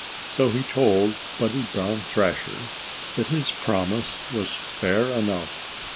So he told Buddy Brown Thrasher that his promise was fair enough.